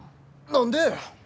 何で。